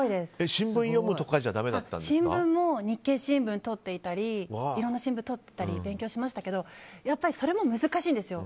新聞も日経新聞をとっていたりいろんな新聞とったり勉強しましたけどやっぱりそれも難しいんですよ。